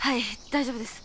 大丈夫です！